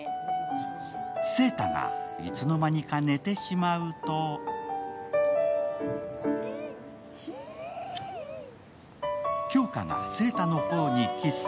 晴太がいつの間にか寝てしまうと杏花が晴太の頬にキス。